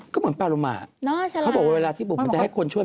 ก็เหมือนปาโลมาเขาบอกว่าเวลาที่บุกมันจะให้คนช่วย